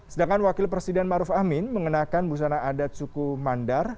sedangkan wakil presiden maruf amin mengenakan busana adat suku mandar